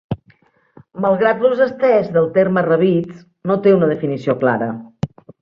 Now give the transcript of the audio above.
Malgrat l'ús estès del terme Rabiz, no té una definició clara.